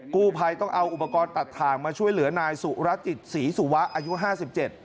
กู้ภัยต้องเอาอุปกรณ์ตัดทางมาช่วยเหลือนายสุรจิตศรีสุวะอายุห้าสิบเจ็ด